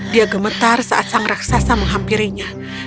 dia gemetar saat sang raksasa menghampirinya